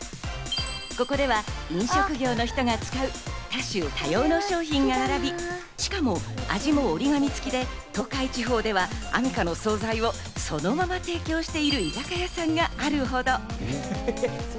ここでは飲食業の人が使う多種多様の商品が並び、しかも、味も折り紙つきで東海地方ではアミカの総菜をそのまま提供している居酒屋さんがあるほど。